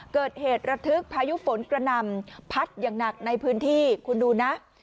เกิดเหตุระทึกพายุฝนกระหน่ำพัดอย่างหนักในพื้นที่คุณดูนะ